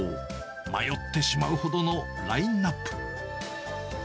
迷ってしまうほどのラインナップ。